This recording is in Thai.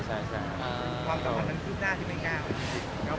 ความสำคัญมันคือหน้าที่ไม่กล้า